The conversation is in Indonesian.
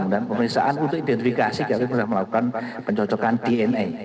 dan pemeriksaan untuk identifikasi kami sudah melakukan pencocokan dna